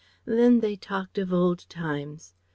Then they talked of old times.